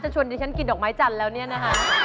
ชวนดิฉันกินดอกไม้จันทร์แล้วเนี่ยนะคะ